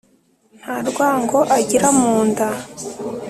nta rwango agira mu nda.